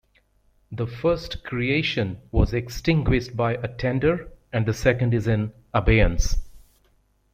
The first creation was extinguished by attainder and the second is in abeyance.